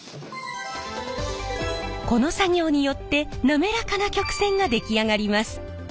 この作業によって滑らかな曲線が出来上がります。